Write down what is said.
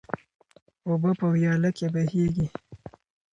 اوبه په ویاله کې بهیږي.